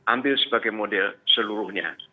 ambil sebagai model seluruhnya